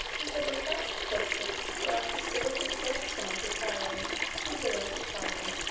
He is of a class of persons who are a sort of black swans in Ireland: he is a wealthy farmer.